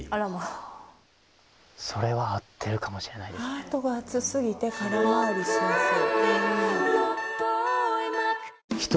ハートが熱過ぎて空回りしやすい。